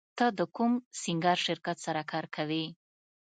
ته د کوم سینګار شرکت سره کار کوې